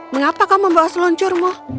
mengapa kau membawa seluncurnu